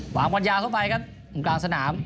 หวางกวดยาเข้าไปครับอุ๋มกลางสนาม